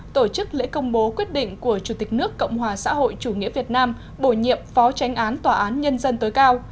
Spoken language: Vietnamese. tổ chức lễ công bố quyết định của chủ tịch nước cộng hòa xã hội chủ nghĩa việt nam bổ nhiệm phó tránh án tòa án nhân dân tối cao